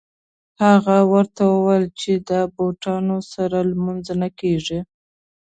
هغه ورته وویل چې د بوټانو سره لمونځ نه کېږي.